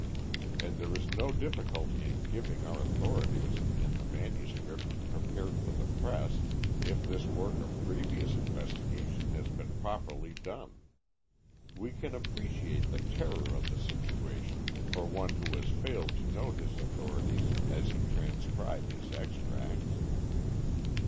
And there is no difficulty in giving our authorities in the manuscript prepared for the press if this work of previous investigation has been properly done. We can appreciate the terror of the situation for one who has failed to note his authorities as he transcribed his extracts.